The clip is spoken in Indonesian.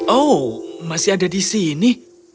oh masih ada di sini